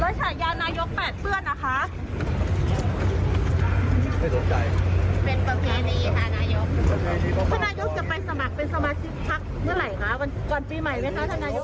วันปีใหม่ไว้ครับท่านนายุกษ์